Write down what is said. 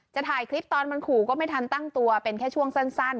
ถ่ายคลิปตอนมันขู่ก็ไม่ทันตั้งตัวเป็นแค่ช่วงสั้น